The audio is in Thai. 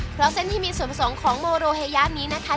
เพราะเส้นที่มีส่วนผสมของโมโรเฮยะนี้นะคะ